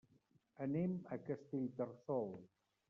Anem a Castellterçol.